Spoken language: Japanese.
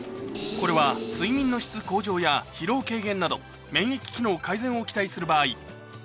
これは睡眠の質向上や疲労軽減など免疫機能改善を期待する場合